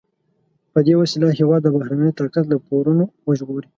په دې وسیله هېواد د بهرني طاقت له پورونو وژغوري.